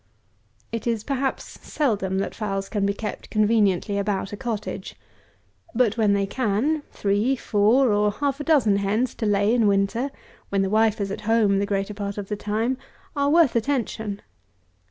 180. It is, perhaps, seldom that fowls can be kept conveniently about a cottage; but when they can, three, four, or half a dozen hens to lay in winter, when the wife is at home the greater part of the time, are worth attention.